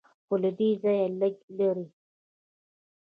خو له دې ځایه لږ لرې.